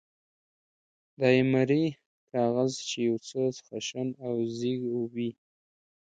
د ایمرۍ کاغذ، چې یو څه خشن او زېږ وي.